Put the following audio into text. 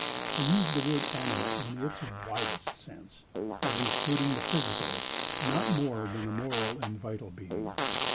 I use the word 'animal' in its widest sense, as including the physical not more than the moral and vital being.